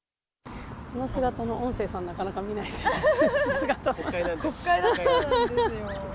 この姿の音声さん、なかなか見ないですね、国会なので。